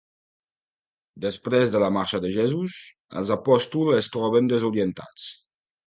Després de la marxa de Jesús, els apòstols es troben desorientats.